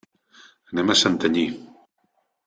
Anem a Santanyí.